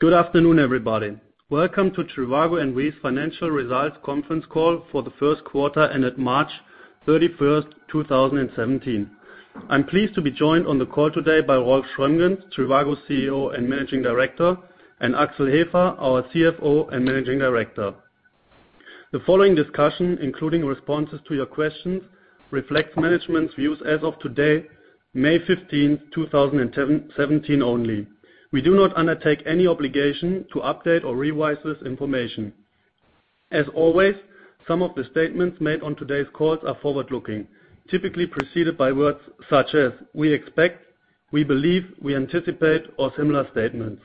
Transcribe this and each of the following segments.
Good afternoon, everybody. Welcome to trivago N.V.'s financial results conference call for the first quarter ended March 31st, 2017. I am pleased to be joined on the call today by Rolf Schrömgens, trivago's CEO and Managing Director, and Axel Hefer, our CFO and Managing Director. The following discussion, including responses to your questions, reflects management's views as of today, May 15th, 2017 only. We do not undertake any obligation to update or revise this information. As always, some of the statements made on today's call are forward-looking, typically preceded by words such as "we expect," "we believe," "we anticipate," or similar statements.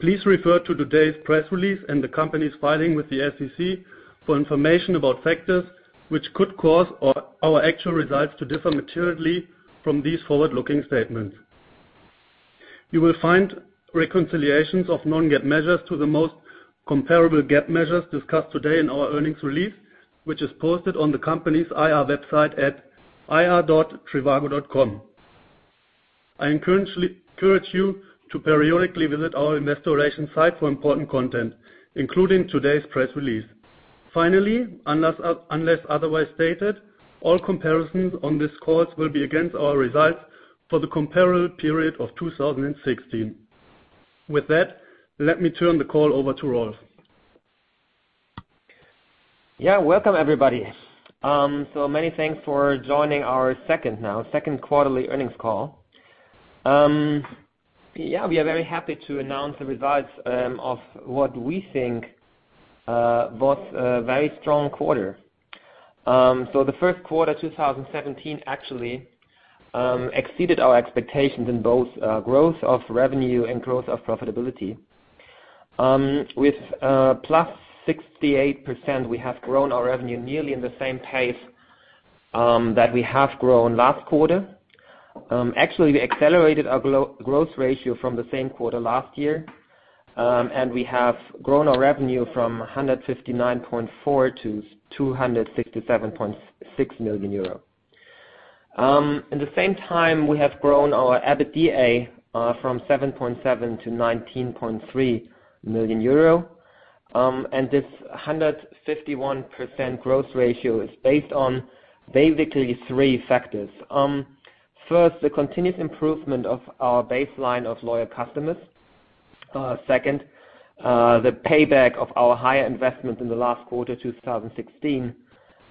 Please refer to today's press release and the company's filing with the SEC for information about factors which could cause our actual results to differ materially from these forward-looking statements. You will find reconciliations of non-GAAP measures to the most comparable GAAP measures discussed today in our earnings release, which is posted on the company's IR website at ir.trivago.com. I encourage you to periodically visit our investor relation site for important content, including today's press release. Finally, unless otherwise stated, all comparisons on this call will be against our results for the comparable period of 2016. With that, let me turn the call over to Rolf. Welcome, everybody. Many thanks for joining our second quarterly earnings call. We are very happy to announce the results of what we think was a very strong quarter. The first quarter 2017 actually exceeded our expectations in both growth of revenue and growth of profitability. With +68%, we have grown our revenue nearly in the same pace that we have grown last quarter. Actually, we accelerated our growth ratio from the same quarter last year, and we have grown our revenue from 159.4 million to 267.6 million euro. In the same time, we have grown our EBITDA from 7.7 million to 19.3 million euro, and this 151% growth ratio is based on basically three factors. First, the continuous improvement of our baseline of loyal customers. Second, the payback of our higher investment in the last quarter 2016.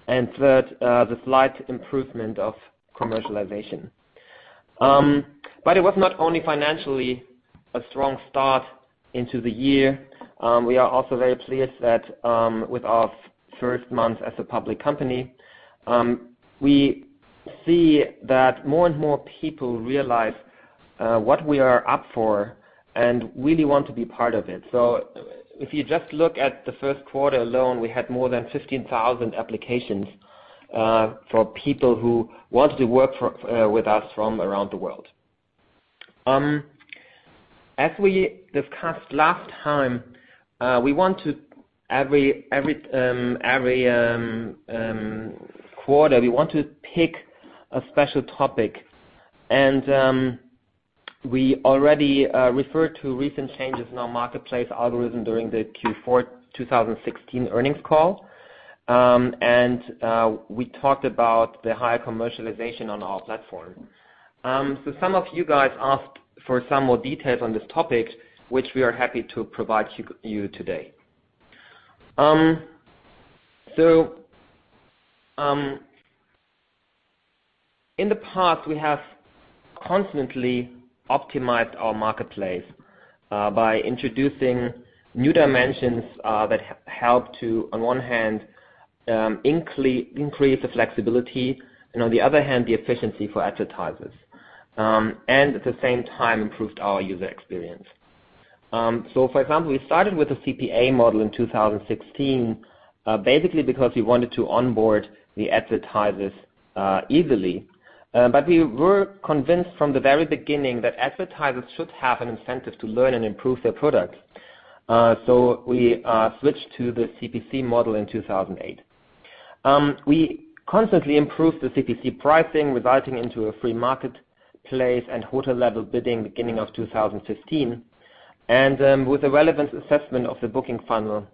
Third, the slight improvement of commercialization. It was not only financially a strong start into the year. We are also very pleased that with our first month as a public company we see that more and more people realize what we are up for and really want to be part of it. If you just look at the first quarter alone, we had more than 15,000 applications for people who wanted to work with us from around the world. As we discussed last time, every quarter, we want to pick a special topic and we already referred to recent changes in our marketplace algorithm during the Q4 2016 earnings call, and we talked about the higher commercialization on our platform. Some of you guys asked for some more details on this topic, which we are happy to provide you today. In the past, we have constantly optimized our marketplace by introducing new dimensions that help to, on one hand, increase the flexibility and on the other hand, the efficiency for advertisers and at the same time improved our user experience. For example, we started with a CPA model in 2016 basically because we wanted to onboard the advertisers easily. We were convinced from the very beginning that advertisers should have an incentive to learn and improve their product, we switched to the CPC model in 2008. We constantly improved the CPC pricing, resulting into a free marketplace and Hotel level bidding beginning of 2015, and with a relevant assessment of the booking funnel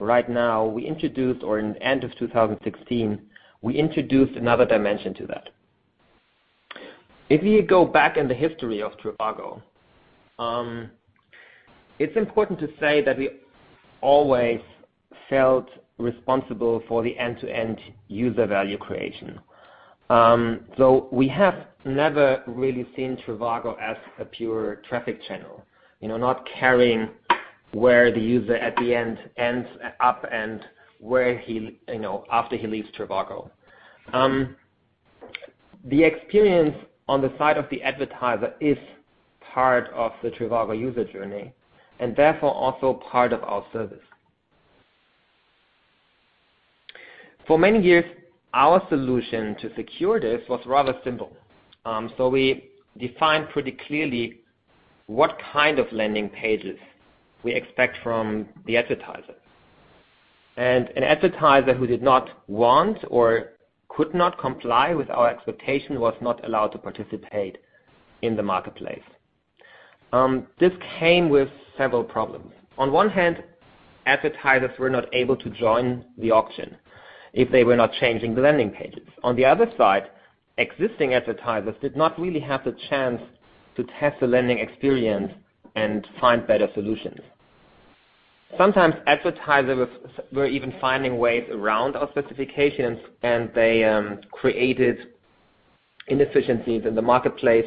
right now, we introduced or in the end of 2016, we introduced another dimension to that. If we go back in the history of trivago, it's important to say that we always felt responsible for the end-to-end user value creation. We have never really seen trivago as a pure traffic channel, not caring where the user at the end ends up and after he leaves trivago. The experience on the side of the advertiser is part of the trivago user journey and therefore also part of our service. For many years, our solution to secure this was rather simple. We defined pretty clearly what kind of landing pages we expect from the advertisers. An advertiser who did not want or could not comply with our expectation was not allowed to participate in the marketplace. This came with several problems. On one hand, advertisers were not able to join the auction if they were not changing the landing pages. On the other side, existing advertisers did not really have the chance to test the landing experience and find better solutions. Sometimes advertisers were even finding ways around our specifications, they created inefficiencies in the marketplace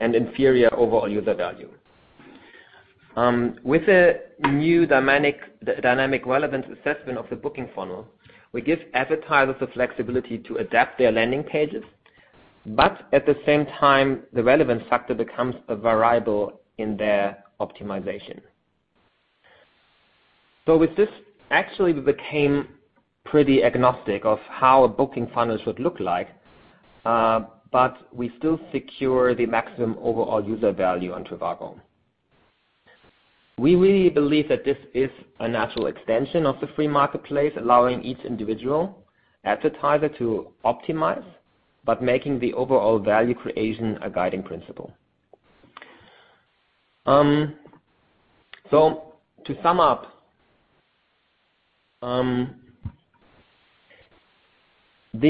and inferior overall user value. With the new dynamic relevance assessment of the booking funnel, we give advertisers the flexibility to adapt their landing pages, at the same time, the relevance factor becomes a variable in their optimization. With this, actually we became pretty agnostic of how booking funnels would look like, we still secure the maximum overall user value on trivago. We really believe that this is a natural extension of the free marketplace, allowing each individual advertiser to optimize, making the overall value creation a guiding principle. To sum up, the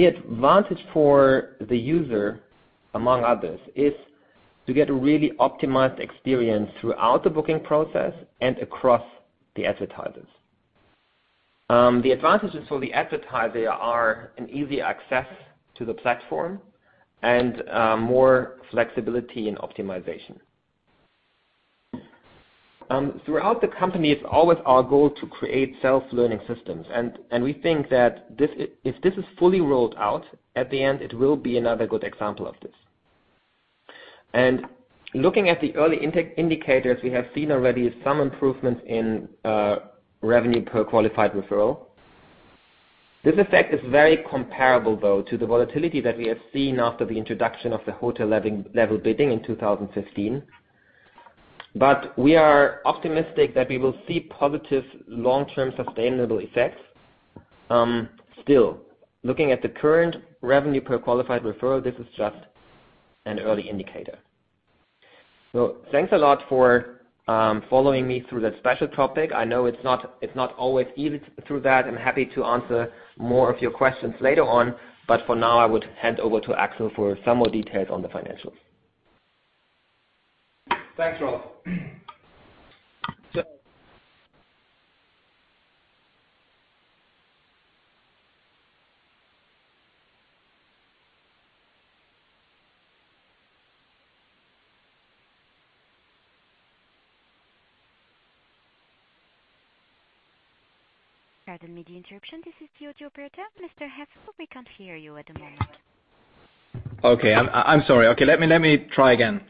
advantage for the user, among others, is to get a really optimized experience throughout the booking process and across the advertisers. The advantages for the advertiser are an easy access to the platform and more flexibility in optimization. Throughout the company, it's always our goal to create self-learning systems, we think that if this is fully rolled out, at the end, it will be another good example of this. Looking at the early indicators, we have seen already some improvements in revenue per qualified referral. This effect is very comparable though to the volatility that we have seen after the introduction of the Hotel level bidding in 2015. We are optimistic that we will see positive long-term sustainable effects. Still, looking at the current revenue per qualified referral, this is just an early indicator. Thanks a lot for following me through that special topic. I know it's not always easy through that. I'm happy to answer more of your questions later on, but for now I would hand over to Axel for some more details on the financials. Thanks, Rolf. Pardon media interruption, this is the operator. Mr. Hefer, we can't hear you at the moment. Okay, I'm sorry. Okay, let me try again.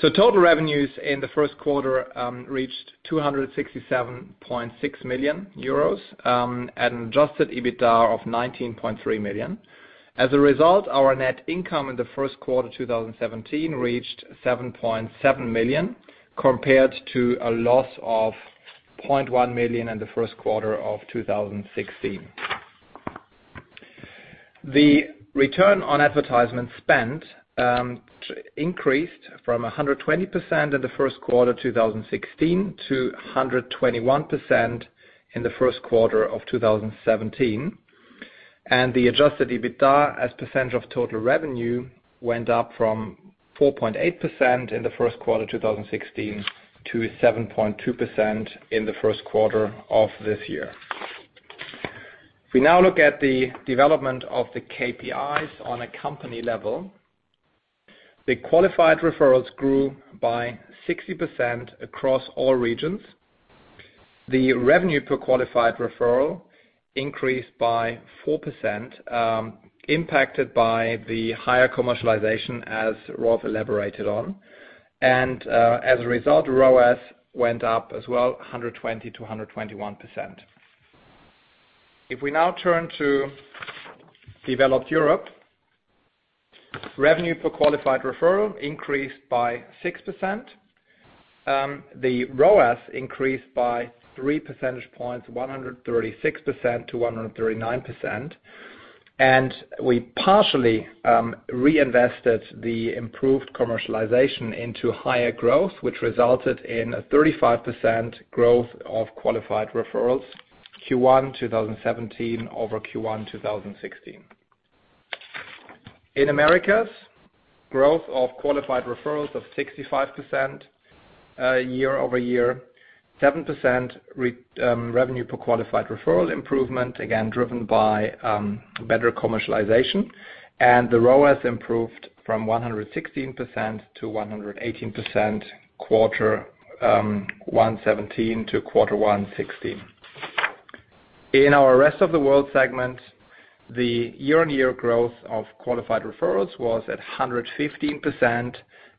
Total revenues in the first quarter reached 267.6 million euros, an adjusted EBITDA of 19.3 million. As a result, our net income in the first quarter 2017 reached 7.7 million, compared to a loss of 0.1 million in the first quarter of 2016. The return on advertisement spent increased from 120% in the first quarter 2016 to 121% in the first quarter of 2017, and the adjusted EBITDA as percentage of total revenue went up from 4.8% in the first quarter 2016 to 7.2% in the first quarter of this year. If we now look at the development of the KPIs on a company level, the qualified referrals grew by 60% across all regions. The revenue per qualified referral increased by 4%, impacted by the higher commercialization, as Rolf elaborated on. As a result, ROAS went up as well, 120% to 121%. If we now turn to Developed Europe, revenue per qualified referral increased by 6%. The ROAS increased by three percentage points, 136% to 139%, we partially reinvested the improved commercialization into higher growth, which resulted in a 35% growth of qualified referrals, Q1 2017 over Q1 2016. In Americas, growth of qualified referrals of 65% year-over-year, 7% revenue per qualified referral improvement, again, driven by better commercialization, the ROAS improved from 116% to 118% Q1 2017 to Q1 2016. In our Rest of World segment, the year-on-year growth of qualified referrals was at 115%,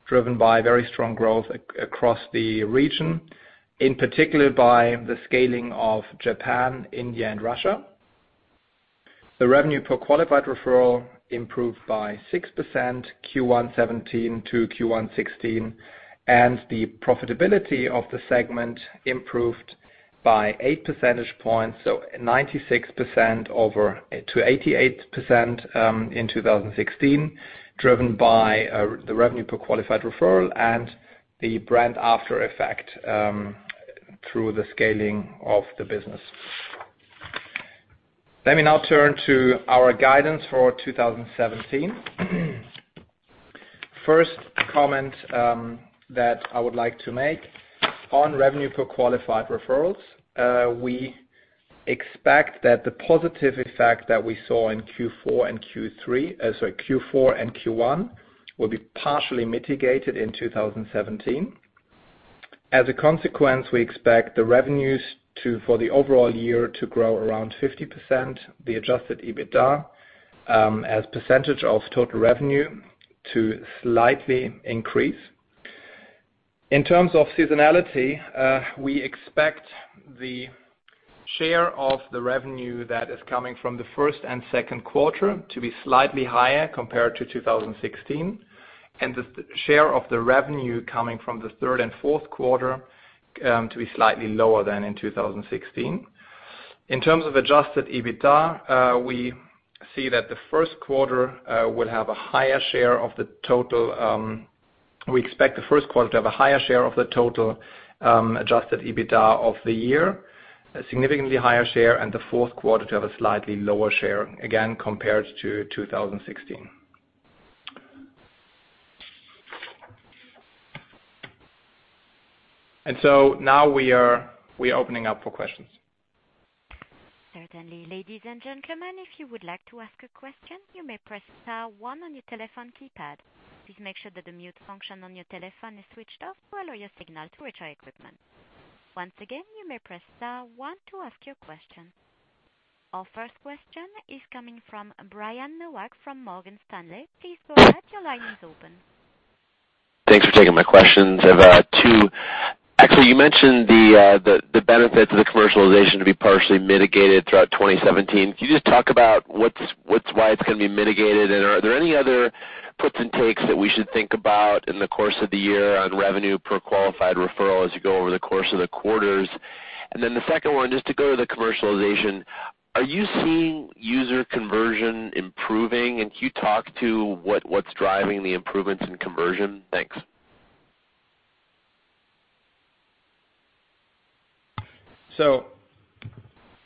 driven by very strong growth across the region, in particular by the scaling of Japan, India, and Russia. The revenue per qualified referral improved by 6% Q1 2017 to Q1 2016, the profitability of the segment improved by eight percentage points, so 96% to 88% in 2016, driven by the revenue per qualified referral and the brand after effect through the scaling of the business. Let me now turn to our guidance for 2017. First comment that I would like to make on revenue per qualified referral. We expect that the positive effect that we saw in Q4 and Q1 will be partially mitigated in 2017. As a consequence, we expect the revenues for the overall year to grow around 50%, the adjusted EBITDA, as % of total revenue, to slightly increase. In terms of seasonality, we expect the share of the revenue that is coming from the first and second quarter to be slightly higher compared to 2016, the share of the revenue coming from the third and fourth quarter to be slightly lower than in 2016. In terms of adjusted EBITDA, we expect the first quarter to have a higher share of the total adjusted EBITDA of the year, a significantly higher share, the fourth quarter to have a slightly lower share, again compared to 2016. Now we are opening up for questions. Certainly. Ladies and gentlemen, if you would like to ask a question, you may press star one on your telephone keypad. Please make sure that the mute function on your telephone is switched off to allow your signal to reach our equipment. Once again, you may press star one to ask your question. Our first question is coming from Brian Nowak from Morgan Stanley. Please go ahead. Your line is open. Thanks for taking my questions. I've got two. Actually, you mentioned the benefits of the commercialization to be partially mitigated throughout 2017. Can you just talk about why it's going to be mitigated, and are there any other puts and takes that we should think about in the course of the year on revenue per qualified referral as you go over the course of the quarters? The second one, just to go to the commercialization, are you seeing user conversion improving, and can you talk to what's driving the improvements in conversion? Thanks.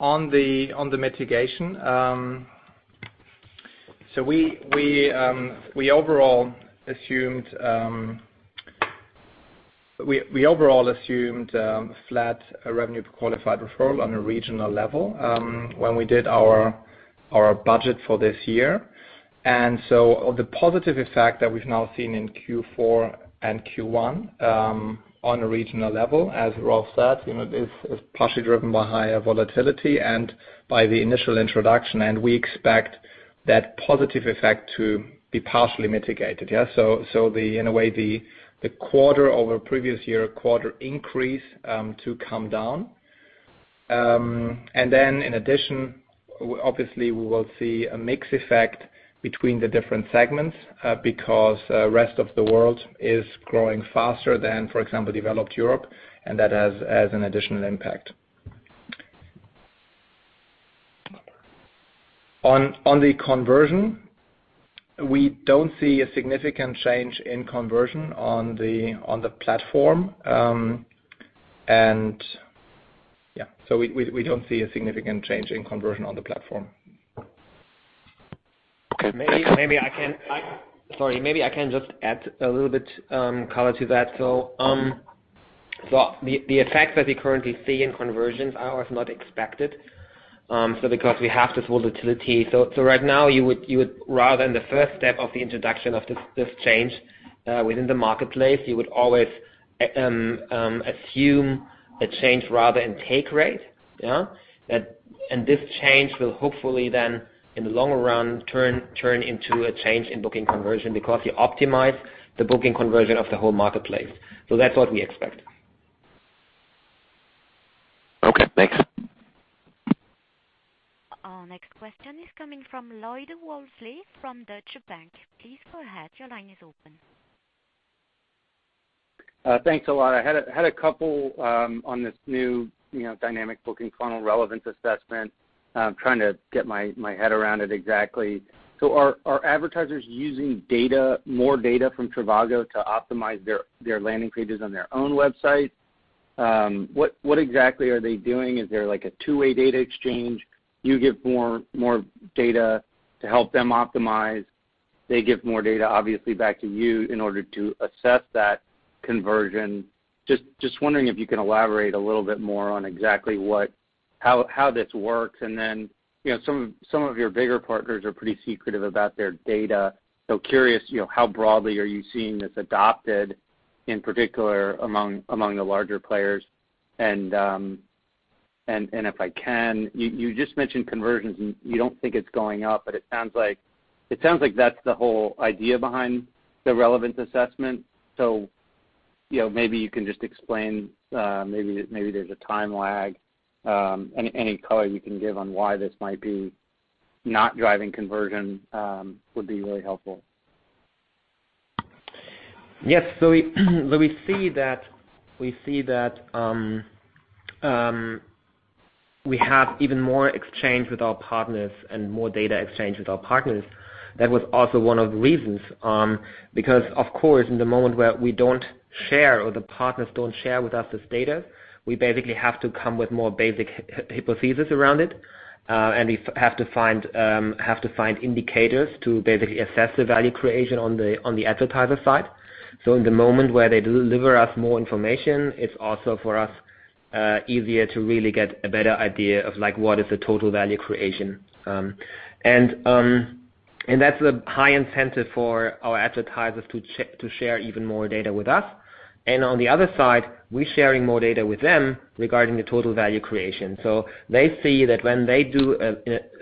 On the mitigation, we overall assumed flat revenue per qualified referral on a regional level when we did our budget for this year. The positive effect that we've now seen in Q4 and Q1 on a regional level, as Rolf said, is partially driven by higher volatility and by the initial introduction, and we expect that positive effect to be partially mitigated. Yeah. In a way, the quarter over previous year quarter increase to come down. In addition, obviously we will see a mix effect between the different segments, because rest of the world is growing faster than, for example, developed Europe, and that has an additional impact. On the conversion, we don't see a significant change in conversion on the platform. Yeah, we don't see a significant change in conversion on the platform. Okay. Sorry, maybe I can just add a little bit color to that. The effects that we currently see in conversions are as not expected, because we have this volatility. Right now, rather in the first step of the introduction of this change within the marketplace, you would always assume a change rather in take rate, yeah? This change will hopefully then, in the long run, turn into a change in booking conversion because you optimize the booking conversion of the whole marketplace. That's what we expect. Okay, thanks. Our next question is coming from Lloyd Walmsley from Deutsche Bank. Please go ahead. Your line is open. Thanks a lot. I had a couple on this new dynamic booking funnel relevance assessment. I'm trying to get my head around it exactly. Are advertisers using more data from trivago to optimize their landing pages on their own website? What exactly are they doing? Is there like a two-way data exchange? Do you give more data to help them optimize? They give more data, obviously, back to you in order to assess that conversion. Just wondering if you can elaborate a little bit more on exactly how this works. Some of your bigger partners are pretty secretive about their data. Curious, how broadly are you seeing this adopted, in particular among the larger players? If I can, you just mentioned conversions, and you don't think it's going up, but it sounds like that's the whole idea behind the relevance assessment. Maybe you can just explain, maybe there's a time lag. Any color you can give on why this might be not driving conversion would be really helpful. Yes. We see that we have even more exchange with our partners and more data exchange with our partners. That was also one of the reasons, because, of course, in the moment where we don't share or the partners don't share with us this data, we basically have to come with more basic hypotheses around it. We have to find indicators to basically assess the value creation on the advertiser side. In the moment where they deliver us more information, it's also, for us, easier to really get a better idea of what is the total value creation. That's a high incentive for our advertisers to share even more data with us. On the other side, we're sharing more data with them regarding the total value creation. They see that when they do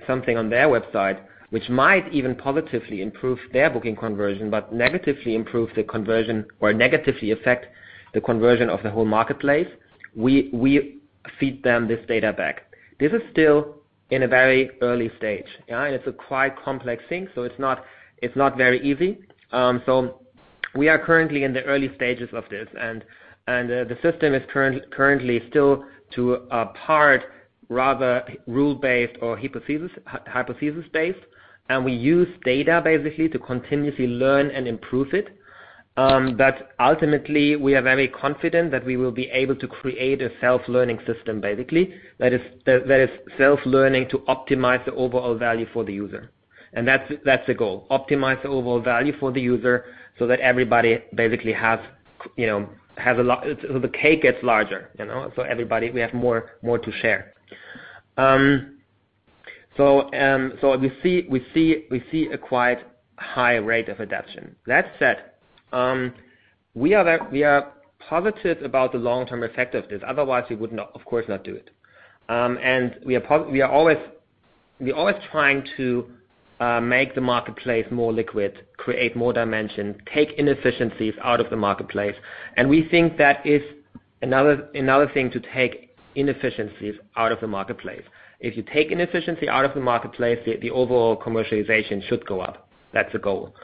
something on their website, which might even positively improve their booking conversion, but negatively improve the conversion or negatively affect the conversion of the whole marketplace, we feed them this data back. This is still in a very early stage. It's a quite complex thing, it's not very easy. We are currently in the early stages of this, and the system is currently still to a part rather rule-based or hypothesis-based, and we use data basically to continuously learn and improve it. Ultimately, we are very confident that we will be able to create a self-learning system, basically, that is self-learning to optimize the overall value for the user. That's the goal: optimize the overall value for the user so that everybody basically the cake gets larger. Everybody, we have more to share. We see a quite high rate of adoption. That said, we are positive about the long-term effect of this. Otherwise, we would, of course, not do it. We are always trying to make the marketplace more liquid, create more dimension, take inefficiencies out of the marketplace. We think that is another thing to take inefficiencies out of the marketplace. If you take inefficiency out of the marketplace, the overall commercialization should go up. That's the goal.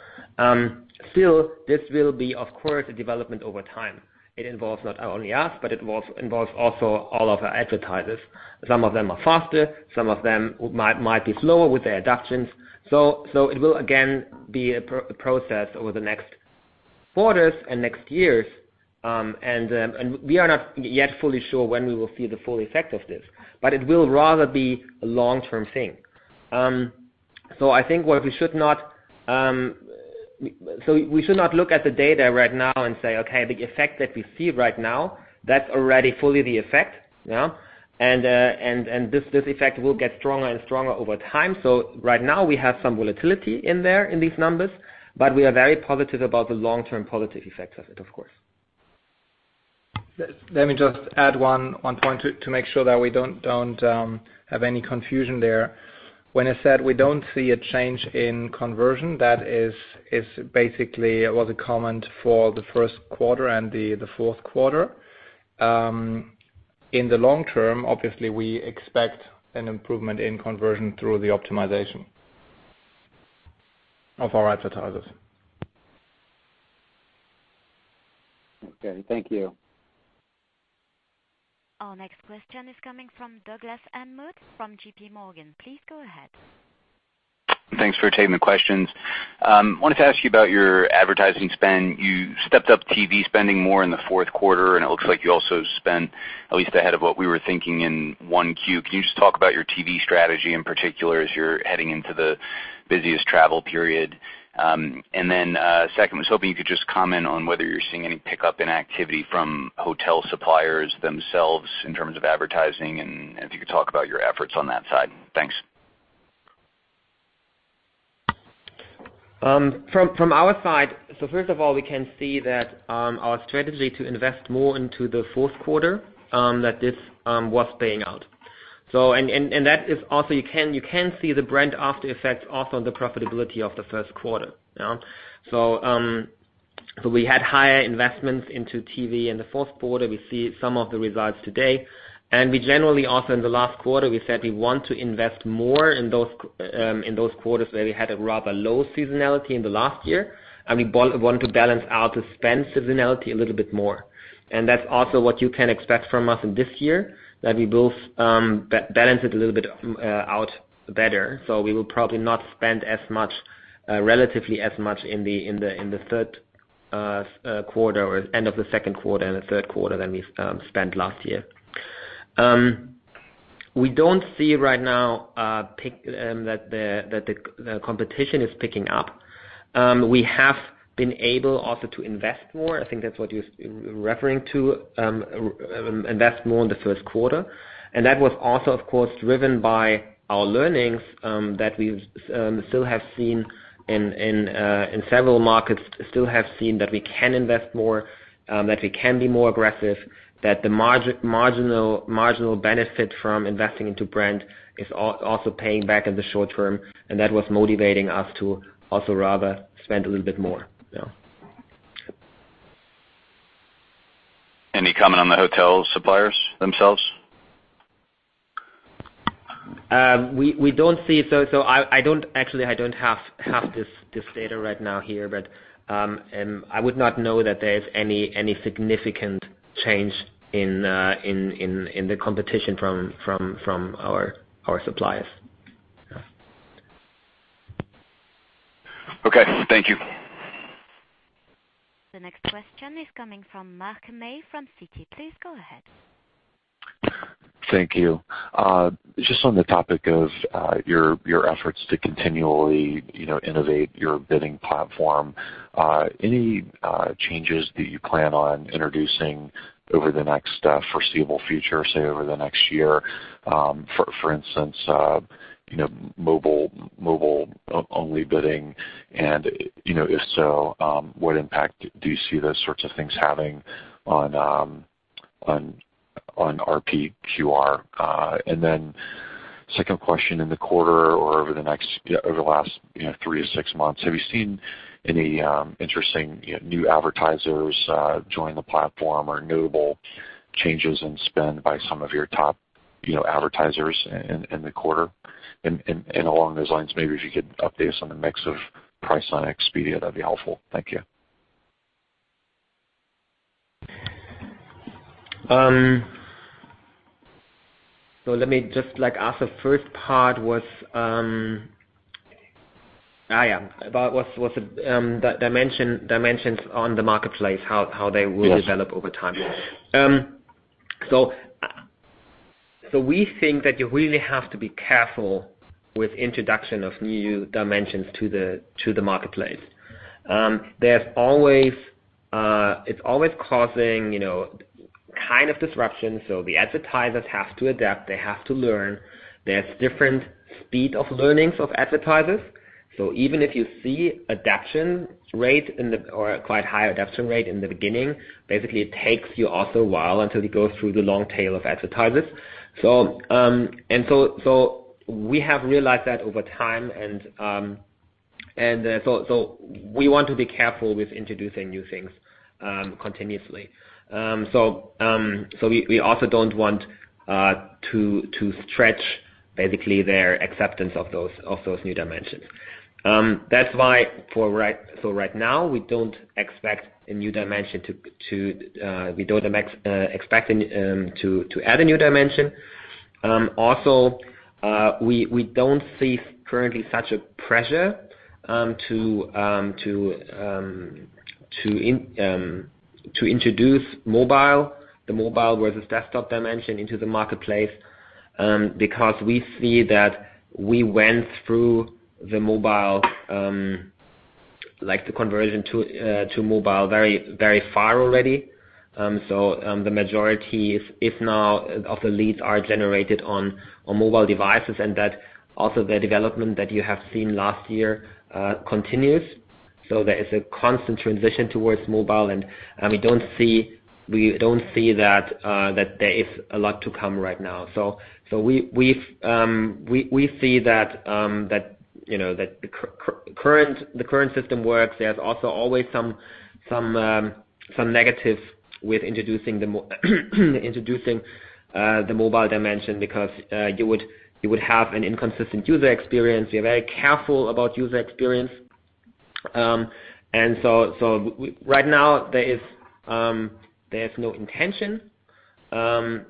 Still, this will be, of course, a development over time. It involves not only us, but it involves also all of our advertisers. Some of them are faster, some of them might be slower with their adoptions. It will, again, be a process over the next quarters and next years. We are not yet fully sure when we will see the full effect of this, but it will rather be a long-term thing. I think what we should not look at the data right now and say, "Okay, the effect that we see right now, that's already fully the effect." This effect will get stronger and stronger over time. Right now, we have some volatility in there in these numbers, but we are very positive about the long-term positive effects of it, of course. Let me just add one point to make sure that we don't have any confusion there. When I said we don't see a change in conversion, that is basically was a comment for the first quarter and the fourth quarter. In the long term, obviously, we expect an improvement in conversion through the optimization of our advertisers. Okay. Thank you. Our next question is coming from Douglas Anmuth from JPMorgan. Please go ahead. Thanks for taking the questions. Wanted to ask you about your advertising spend. You stepped up TV spending more in the fourth quarter, and it looks like you also spent at least ahead of what we were thinking in 1Q. Can you just talk about your TV strategy in particular as you're heading into the busiest travel period? Second, was hoping you could just comment on whether you're seeing any pickup in activity from hotel suppliers themselves in terms of advertising, and if you could talk about your efforts on that side. Thanks. From our side, first of all, we can see that our strategy to invest more into the fourth quarter, that this was paying out. That is also, you can see the brand after effect also on the profitability of the first quarter. We had higher investments into TV in the fourth quarter. We see some of the results today. We generally also, in the last quarter, we said we want to invest more in those quarters where we had a rather low seasonality in the last year, and we want to balance out the spend seasonality a little bit more. That's also what you can expect from us in this year, that we will balance it a little bit out better. We will probably not spend as much, relatively as much, in the third quarter or end of the second quarter and the third quarter than we've spent last year. We don't see right now that the competition is picking up. We have been able also to invest more. I think that's what you're referring to, invest more in the first quarter. That was also, of course, driven by our learnings that we still have seen in several markets, still have seen that we can invest more, that we can be more aggressive, that the marginal benefit from investing into brand is also paying back in the short term, and that was motivating us to also rather spend a little bit more. Any comment on the hotel suppliers themselves? Actually, I don't have this data right now here, but I would not know that there's any significant change in the competition from our suppliers. Okay. Thank you. The next question is coming from Mark May from Citi. Please go ahead. Thank you. Just on the topic of your efforts to continually innovate your bidding platform, any changes that you plan on introducing over the next foreseeable future, say, over the next year, for instance, mobile-only bidding? If so, what impact do you see those sorts of things having on RPQR? Second question, in the quarter or over the last three to six months, have you seen any interesting new advertisers join the platform or notable changes in spend by some of your top advertisers in the quarter? Along those lines, maybe if you could update us on the mix of Priceline Expedia? That'd be helpful. Thank you. As the first part was dimensions on the marketplace. Yes develop over time. We think that you really have to be careful with introduction of new dimensions to the marketplace. It's always causing kind of disruption, so the advertisers have to adapt. They have to learn. There's different speed of learnings of advertisers. Even if you see a quite high adaption rate in the beginning, basically, it takes you also a while until you go through the long tail of advertisers. We have realized that over time, we want to be careful with introducing new things continuously. We also don't want to stretch, basically, their acceptance of those new dimensions. That's why for right now, we don't expect to add a new dimension. We don't see currently such a pressure to introduce the mobile versus desktop dimension into the marketplace, because we see that we went through the conversion to mobile very far already. The majority, if now, of the leads are generated on mobile devices, and that also the development that you have seen last year continues. There is a constant transition towards mobile, and we don't see that there is a lot to come right now. We see that the current system works. There's also always some negatives with introducing the mobile dimension because you would have an inconsistent user experience. We're very careful about user experience. Right now, there's no intention. There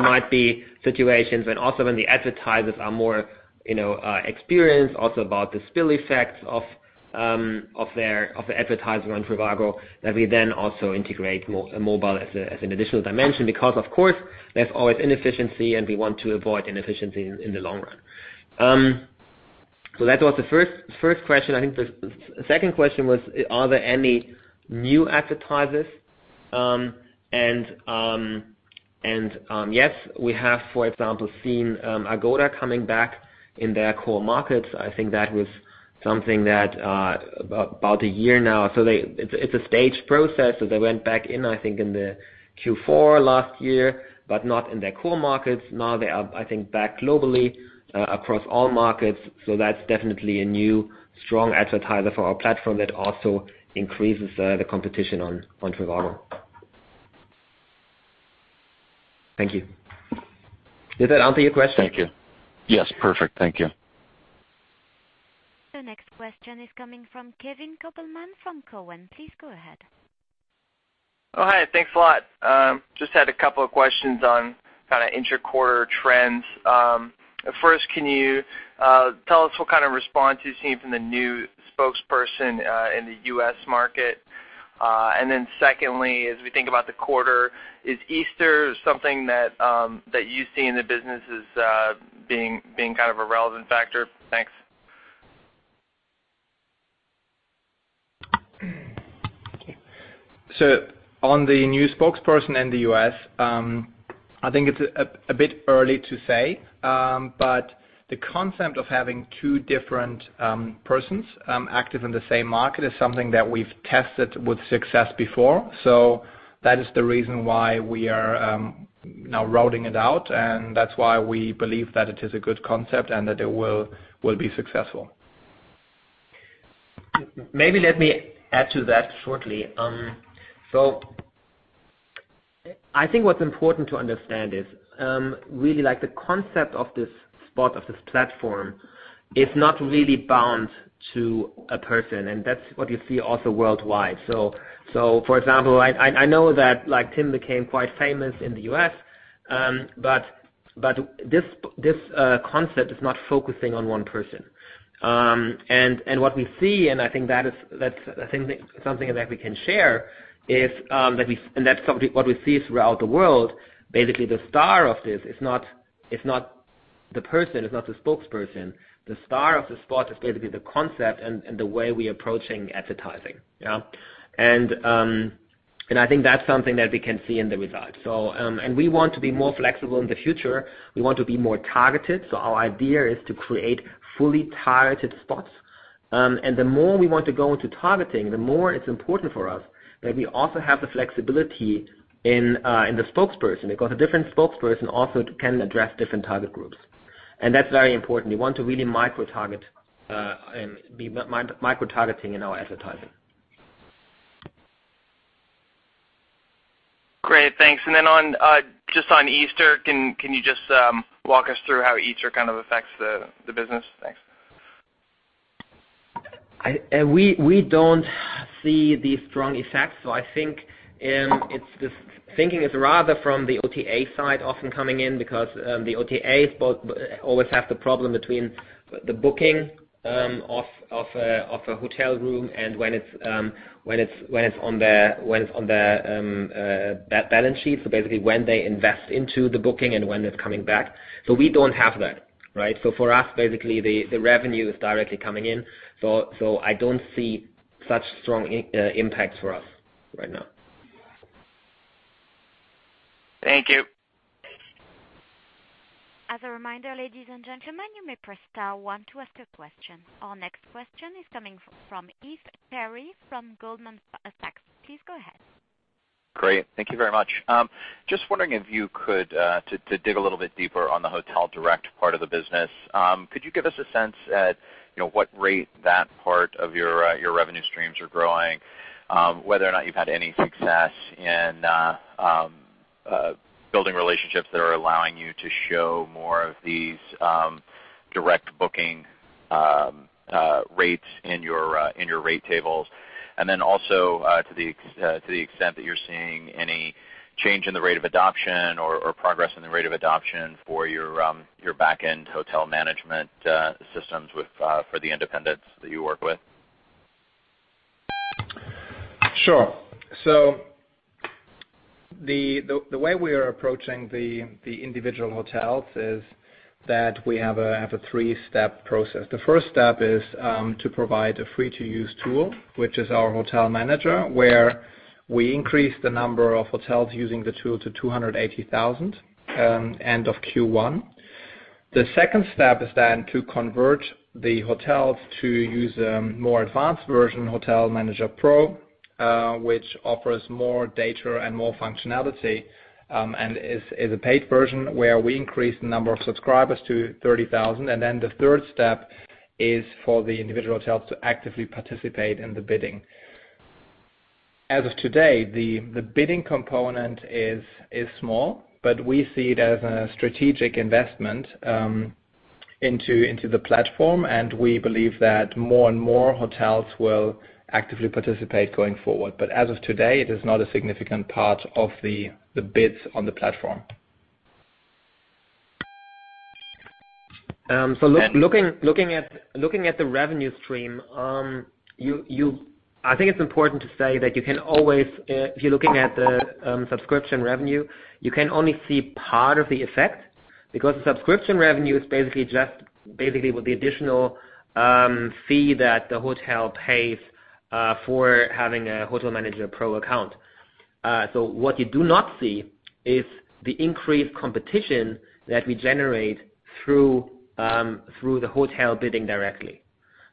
might be situations when also when the advertisers are more experienced also about the spill effects of the advertising on trivago, that we then also integrate mobile as an additional dimension, because of course, there's always inefficiency, and we want to avoid inefficiency in the long run. That was the first question. I think the second question was, are there any new advertisers? Yes, we have, for example, seen Agoda coming back in their core markets. I think that was something that about a year now. It's a staged process, so they went back in, I think, in the Q4 last year, but not in their core markets. Now they are, I think, back globally, across all markets, so that's definitely a new strong advertiser for our platform that also increases the competition on trivago. Thank you. Did that answer your question? Thank you. Yes, perfect. Thank you. The next question is coming from Kevin Kopelman from Cowen. Please go ahead. Oh, hi. Thanks a lot. Just had a couple of questions on kind of inter-quarter trends. First, can you tell us what kind of response you're seeing from the new spokesperson in the U.S. market? Secondly, as we think about the quarter, is Easter something that you see in the business as being kind of a relevant factor? Thanks. On the new spokesperson in the U.S., I think it's a bit early to say, but the concept of having two different persons active in the same market is something that we've tested with success before. That is the reason why we are now rolling it out, and that's why we believe that it is a good concept and that it will be successful. Maybe let me add to that shortly. I think what's important to understand is really the concept of this spot, of this platform, is not really bound to a person, and that's what you see also worldwide. For example, I know that Tim became quite famous in the U.S., but this concept is not focusing on one person. What we see, and I think that is something that we can share, and that's something what we see throughout the world, basically the star of this, it's not the person, it's not the spokesperson. The star of the spot is basically the concept and the way we approaching advertising. Yeah. I think that's something that we can see in the results. We want to be more flexible in the future. We want to be more targeted. Our idea is to create fully targeted spots. The more we want to go into targeting, the more it's important for us that we also have the flexibility in the spokesperson, because a different spokesperson also can address different target groups. That's very important. We want to really micro-target and be micro-targeting in our advertising. Great, thanks. Just on Easter, can you just walk us through how Easter kind of affects the business? Thanks. We don't see these strong effects. I think it's just thinking it's rather from the OTA side often coming in because the OTAs both always have the problem between the booking of a hotel room and when it's on their balance sheet. Basically when they invest into the booking and when it's coming back. We don't have that, right? For us, basically, the revenue is directly coming in. I don't see such strong impact for us right now. Thank you. As a reminder, ladies and gentlemen, you may press star one to ask a question. Our next question is coming from Heath Terry from Goldman Sachs. Please go ahead. Great. Thank you very much. Just wondering if you could, to dig a little bit deeper on the Hotel Direct part of the business. Could you give us a sense at what rate that part of your revenue streams are growing, whether or not you've had any success in building relationships that are allowing you to show more of these direct booking rates in your rate tables? Also, to the extent that you're seeing any change in the rate of adoption or progress in the rate of adoption for your back-end hotel management systems for the independents that you work with? The way we are approaching the individual hotels is that we have a three-step process. The first step is to provide a free-to-use tool, which is our Hotel Manager, where we increase the number of hotels using the tool to 280,000 end of Q1. The second step is then to convert the hotels to use a more advanced version, Hotel Manager Pro, which offers more data and more functionality, and is a paid version where we increase the number of subscribers to 30,000. The third step is for the individual hotels to actively participate in the bidding. As of today, the bidding component is small, but we see it as a strategic investment into the platform, and we believe that more and more hotels will actively participate going forward. As of today, it is not a significant part of the bids on the platform. Looking at the revenue stream, I think it's important to say that you can always, if you're looking at the subscription revenue, you can only see part of the effect because the subscription revenue is basically just the additional fee that the hotel pays for having a Hotel Manager Pro account. What you do not see is the increased competition that we generate through the hotel bidding directly.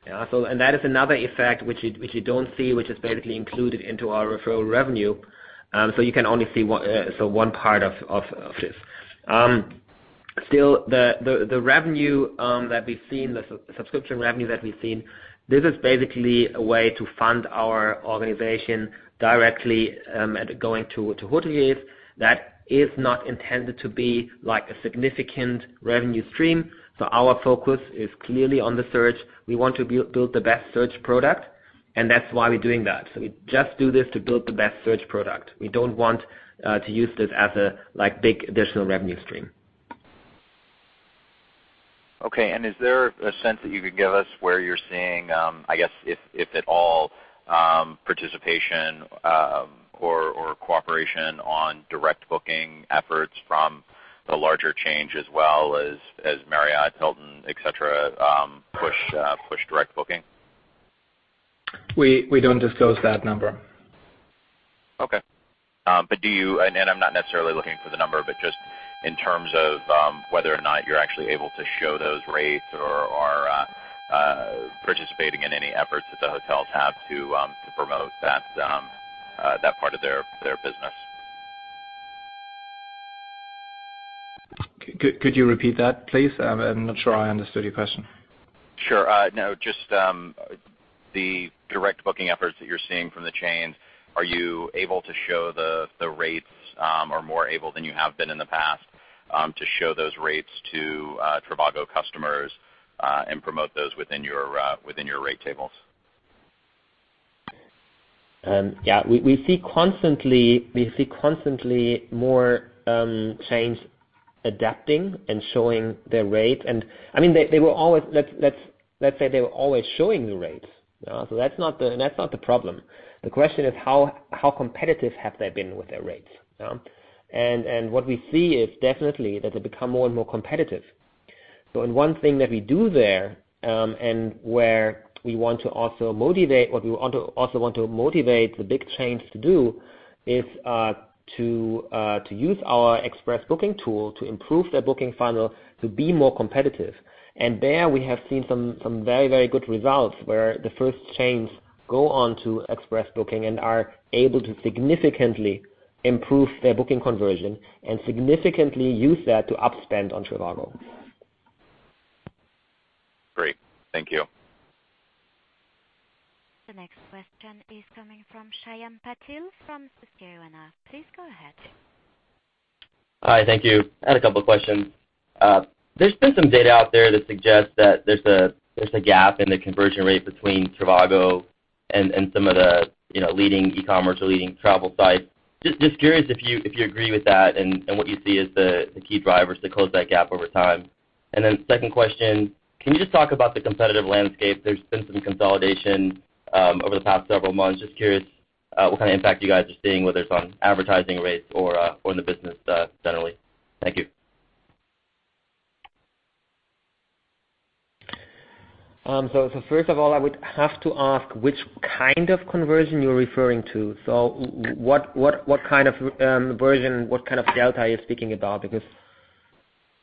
That is another effect which you don't see, which is basically included into our referral revenue. You can only see one part of this. Still, the revenue that we've seen, the subscription revenue that we've seen, this is basically a way to fund our organization directly, going to hoteliers that is not intended to be a significant revenue stream. Our focus is clearly on the search. We want to build the best search product, and that's why we're doing that. We just do this to build the best search product. We don't want to use this as a big additional revenue stream. Is there a sense that you could give us where you're seeing, I guess if at all, participation or cooperation on direct booking efforts from the larger chains as well as Marriott, Hilton, et cetera, push direct booking? We don't disclose that number. Okay. Do you, and I'm not necessarily looking for the number, but just in terms of whether or not you're actually able to show those rates or are participating in any efforts that the hotels have to promote that part of their business? Could you repeat that, please? I'm not sure I understood your question. Sure. No, just the direct booking efforts that you're seeing from the chains, are you able to show the rates, or more able than you have been in the past, to show those rates to trivago customers, and promote those within your rate tables? Yeah. We see constantly more chains adapting and showing their rate. Let's say they were always showing the rates. That's not the problem. The question is how competitive have they been with their rates? What we see is definitely that they become more and more competitive. One thing that we do there, and what we also want to motivate the big chains to do, is to use our Express Booking tool to improve their booking funnel to be more competitive. There, we have seen some very good results where the first chains go on to Express Booking and are able to significantly improve their booking conversion and significantly use that to up-spend on trivago. Great. Thank you. The next question is coming from Shyam Patil from Susquehanna. Please go ahead. Hi. Thank you. I had a couple questions. There's been some data out there that suggests that there's a gap in the conversion rate between trivago and some of the leading e-commerce or leading travel sites. Just curious if you agree with that and what you see as the key drivers to close that gap over time. Second question, can you just talk about the competitive landscape? There's been some consolidation over the past several months. Just curious what kind of impact you guys are seeing, whether it's on advertising rates or in the business, generally. Thank you. First of all, I would have to ask which kind of conversion you're referring to. What kind of version, what kind of delta are you speaking about? Because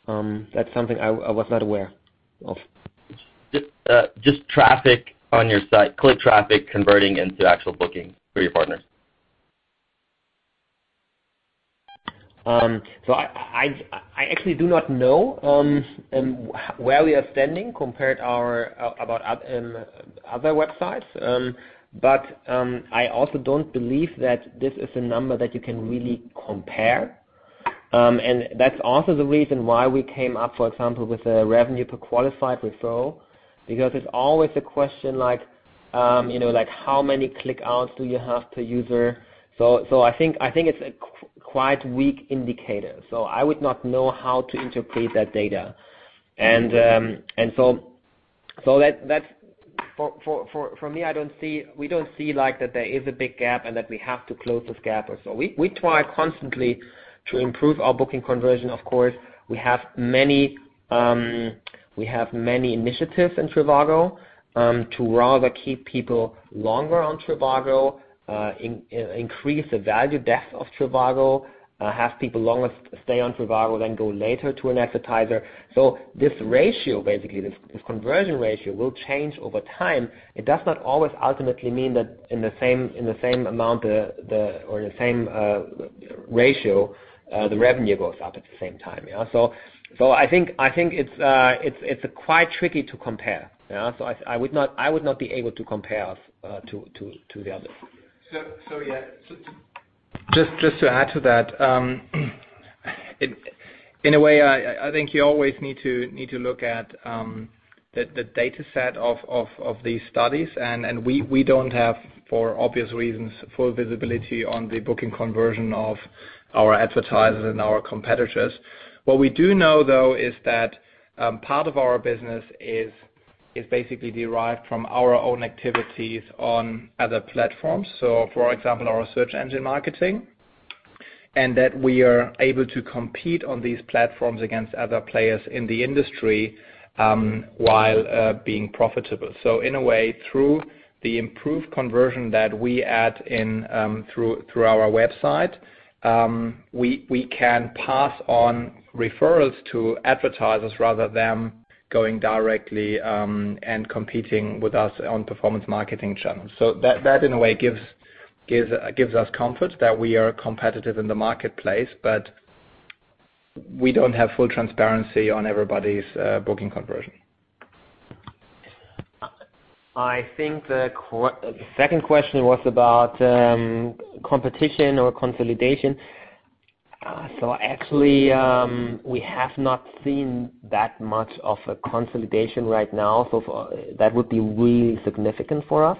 that's something I was not aware of. Just traffic on your site, click traffic converting into actual booking for your partners. I actually do not know where we are standing compared about other websites. I also don't believe that this is a number that you can really compare. That's also the reason why we came up, for example, with a revenue per qualified referral because it's always a question like, how many click outs do you have per user? I think it's a quite weak indicator, I would not know how to interpret that data. For me, we don't see that there is a big gap and that we have to close this gap or so. We try constantly to improve our booking conversion, of course. We have many initiatives in trivago, to rather keep people longer on trivago, increase the value depth of trivago, have people longer stay on trivago than go later to an advertiser. This ratio, basically, this conversion ratio will change over time. It does not always ultimately mean that in the same amount or the same ratio, the revenue goes up at the same time. I think it's quite tricky to compare. I would not be able to compare us to the others. Yeah. Just to add to that, in a way, I think you always need to look at the dataset of these studies, and we don't have, for obvious reasons, full visibility on the booking conversion of our advertisers and our competitors. What we do know, though, is that part of our business is basically derived from our own activities on other platforms, for example, our search engine marketing, and that we are able to compete on these platforms against other players in the industry, while being profitable. In a way, through the improved conversion that we add in through our website, we can pass on referrals to advertisers rather than going directly and competing with us on performance marketing channels. That, in a way, gives us comfort that we are competitive in the marketplace, but we don't have full transparency on everybody's booking conversion. I think the second question was about competition or consolidation. Actually, we have not seen that much of a consolidation right now. That would be really significant for us.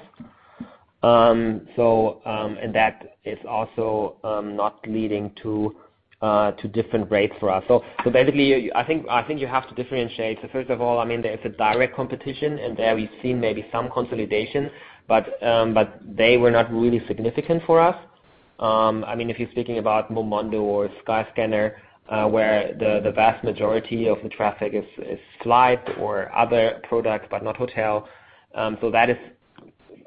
That is also not leading to different rates for us. Basically, I think you have to differentiate. First of all, there's a direct competition, and there we've seen maybe some consolidation, but they were not really significant for us. If you're thinking about Momondo or Skyscanner, where the vast majority of the traffic is flight or other product, but not hotel. That is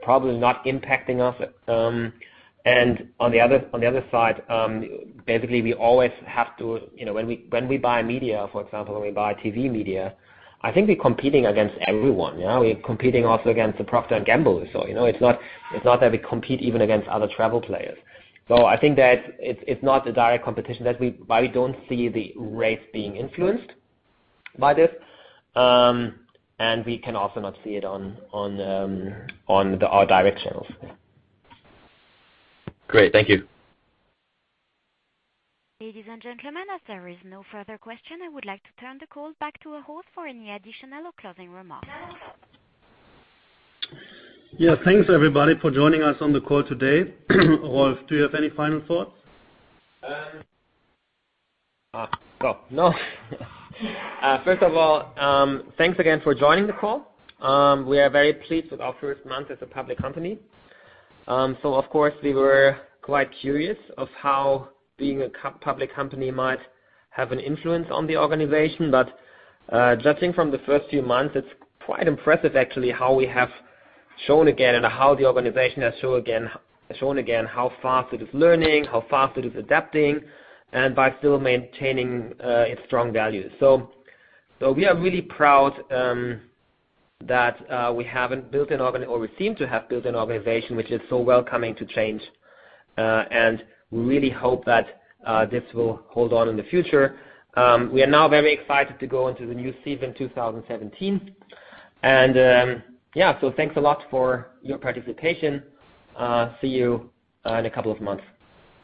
probably not impacting us. On the other side, basically, when we buy media, for example, when we buy TV media, I think we're competing against everyone. We're competing also against the Procter & Gamble. It's not that we compete even against other travel players. I think that it's not a direct competition, that's why we don't see the rates being influenced by this. We can also not see it on our direct channels. Great. Thank you. Ladies and gentlemen, as there is no further question, I would like to turn the call back to our host for any additional or closing remarks. Yeah. Thanks everybody for joining us on the call today. Rolf, do you have any final thoughts? Well, no. First of all, thanks again for joining the call. We are very pleased with our first month as a public company. Of course, we were quite curious of how being a public company might have an influence on the organization. Judging from the first few months, it's quite impressive actually how we have shown again and how the organization has shown again how fast it is learning, how fast it is adapting, and by still maintaining its strong values. We are really proud that we seem to have built an organization which is so welcoming to change. We really hope that this will hold on in the future. We are now very excited to go into the new season 2017. Yeah. Thanks a lot for your participation. See you in a couple of months.